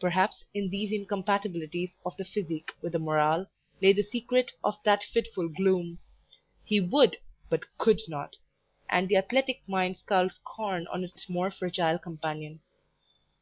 Perhaps, in these incompatibilities of the "physique" with the "morale," lay the secret of that fitful gloom; he WOULD but COULD not, and the athletic mind scowled scorn on its more fragile companion.